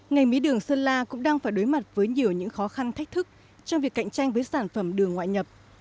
ngành mía đường sơn la cũng đang phải đối mặt với nhiều những khó khăn thách thức trong việc cạnh tranh với sản phẩm đường ngoại nhập